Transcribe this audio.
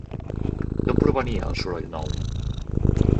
D'on provenia el soroll nou?